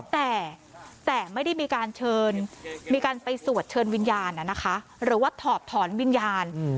แต่ไม่ได้มีการไปสวดเชิญวิญญาณหรือว่าถอบถอนวิญญาณ